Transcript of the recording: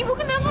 ibu kenapa bu